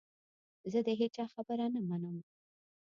زه د هیچا خبره نه منم .